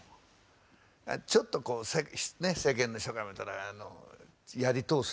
「ちょっとこう世間の人から見たらやり通す